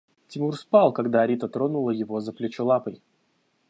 Тимур спал, когда Рита тронула его за плечо лапой.